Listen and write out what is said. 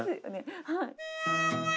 はい。